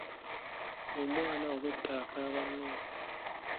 Omwana obwedda akaaba nnyo.